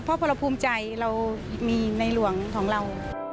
เพราะพอเราภูมิใจเรามีในหลวงของเรา